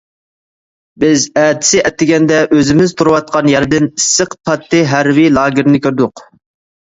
بىز ئەتىسى ئەتىگەندە ئۆزىمىز تۇرۇۋاتقان يەردىن ئىسسىق پاتتى ھەربىي لاگېرىنى كۆردۇق.